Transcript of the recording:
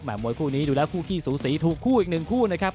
มวยคู่นี้ดูแล้วคู่ขี้สูสีถูกคู่อีกหนึ่งคู่นะครับ